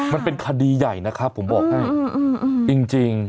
มันเป็นคดีใหญ่นะคะผมบอกให้จริงจริง